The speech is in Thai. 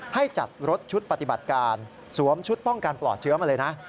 ให้จัดรถชุดปฏิบัติการสวมชุดป้องกันปลอดเชื้อมาเลยนะ